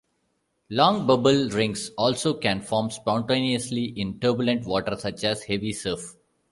Long bubble rings also can form spontaneously in turbulent water such as heavy surf.